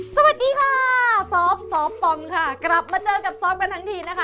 สวัสดีค่ะซอฟซอฟปอมค่ะกลับมาเจอกับซอฟกันทั้งทีนะคะ